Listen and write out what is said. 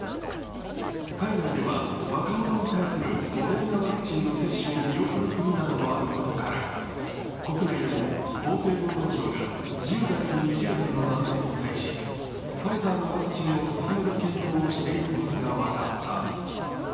海外では若者に対するモデルナワクチンの接種を見送る国などもあることから国内でも厚生労働省が１０代と２０代の男性に対し、ファイザーのワクチンを進める検討をしていることが分かった。